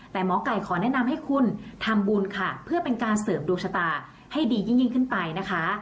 แต่หมอไก่ขอแนะนำให้คุณทำบุญค่ะเพื่อเป็นการเสริมดวงชะตาให้ดียิ่งขึ้นไปนะคะ